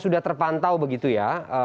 sudah terpantau begitu ya